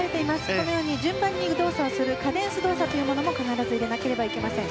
このように順番に動作をするカデンス動作というのを必ず入れなくてはいけません。